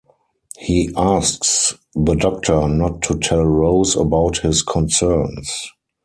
He asks the Doctor not to tell Rose about his concerns.